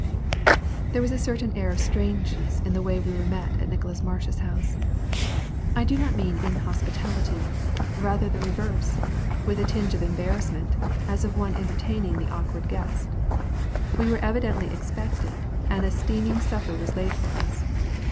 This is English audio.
There was a certain air of strangeness in the way we were met at Nicholas Marsh's house. I do not mean inhospitality, rather the reverse, with a tinge of embarrassment, as of one entertaining the awkward guest. We were evidently expected, and a steaming supper was laid for us.